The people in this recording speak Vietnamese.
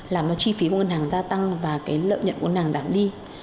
là chi phí của ngân hàng gia tăng và lợi nhận của ngân hàng giảm đi